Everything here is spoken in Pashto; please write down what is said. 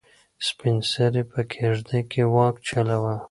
سپین سرې په کيږدۍ کې واک چلاوه.